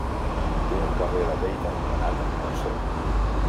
Té un carrer de Lleida anomenat en honor seu.